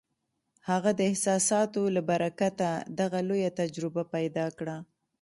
هغه د احساساتو له برکته دغه لویه تجربه پیدا کړه